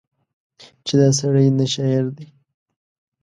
چې دا سړی نه شاعر دی